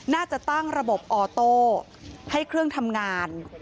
น่าจะตั้งระบบออโต้ให้เครื่องทำงาน